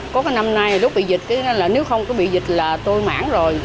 có cái năm nay lúc bị dịch là nếu không có bị dịch là tôi mãn rồi